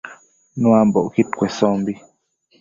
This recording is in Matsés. Nuambocquid cuesombi